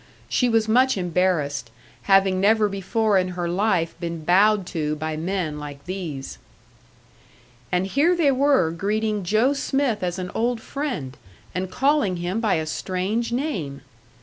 She was much embarrassed, having never before in her life been bowed to by men like these. And here they were greeting Joe Smith as an old friend, and calling him by a strange name!